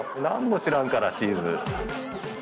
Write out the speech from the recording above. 何も知らんからチーズ。